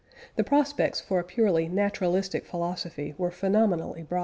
The prospects for a purely naturalistic philosophy were phenomenally bright.